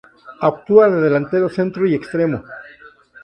Actúa de delantero centro y extremo.